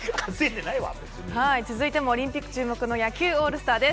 続いてもオリンピック注目の野球オールスターです。